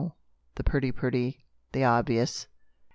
The banal, the pretty pretty, the obvious